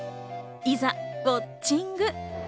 いざウオッチング。